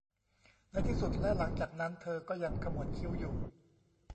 ในที่สุดและหลังจากนั้นเธอก็ยังขมวดคิ้วอยู่